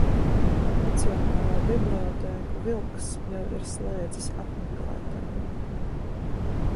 Nacionālo bibliotēku Vilks jau ir slēdzis apmeklētājiem.